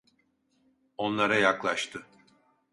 Onlara yaklaştı.